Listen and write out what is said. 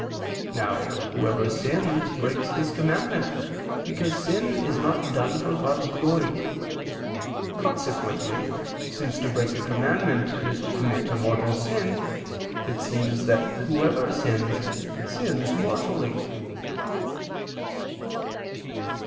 Now whoever sins breaks this commandment, because sin is not done for God's glory. Consequently, since to break a commandment is to commit a mortal sin, it seems that whoever sins, sins mortally.